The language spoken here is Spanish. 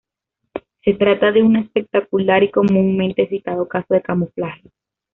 Se trata de un espectacular y comúnmente citado caso de camuflaje.